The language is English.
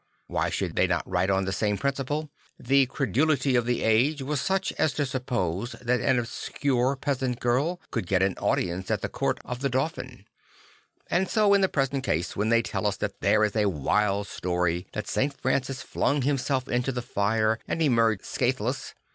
\Vhy should they not write on the same principle: II The credulity of the age was such as to suppose that an obscure peasant girl could get an audience at the court of the Dauphin II ? And so, in the present case, when they tell us there is a wild story that St. Francis flung himself into the fire and emerged scathless.